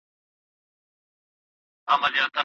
افغانستان له نړیوالو شریکانو سره اوږدمهاله پلان نه لري.